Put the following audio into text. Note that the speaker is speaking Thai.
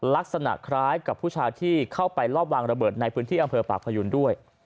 ลักษณะคล้ายกับผู้ชายที่เข้าไปรอบวางระเบิดในพื้นที่อำเภอปากพยูนด้วย